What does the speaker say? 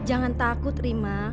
jangan takut rima